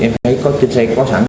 em thấy có chiếc xe quá sẵn